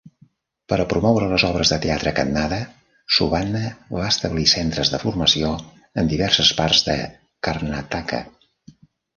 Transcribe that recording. Per a promoure les obres de teatre a Kannada, Subbanna va establir centres de formació en diverses parts de Karnataka